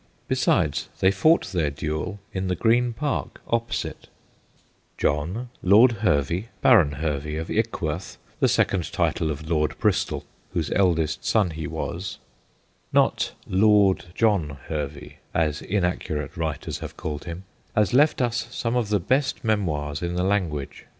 Besides, they fought their duel in the Green Park opposite, John, Lord Hervey Baron Hervey of Ickworth, the second title of Lord Bristol, whose eldest son he was, not Lord John Hervey, as inaccurate writers have called him has left us some of the best memoirs in the language.